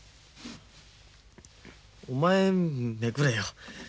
お前めくれよ。